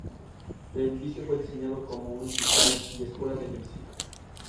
El matrimonio tuvo otra hija, Maite, dos años menor que Montse.